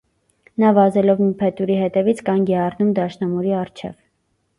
Նա վազելով մի փետուրի հետևից՝ կանգ է առնում դաշնամուրի առջև։